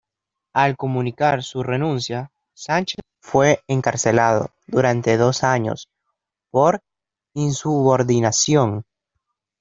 Al comunicar su renuncia, Sánchez fue encarcelado durante dos años por "insubordinación".